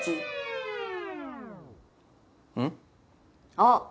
あっ！